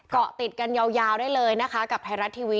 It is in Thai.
เกาะติดกันยาวได้เลยนะคะกับไทยรัฐทีวี